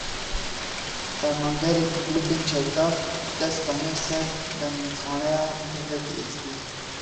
Fermanderekî grûpên çekdar dest daniye ser benzînxaneya Kurdekî Êzidî.